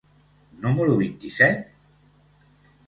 número vint-i-set?